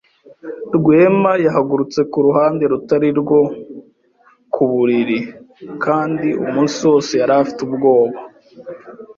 Rwema yahagurutse ku ruhande rutari rwo ku buriri kandi umunsi wose yari afite ubwoba.